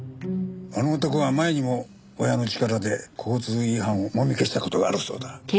あの男は前にも親の力で交通違反をもみ消した事があるそうだ。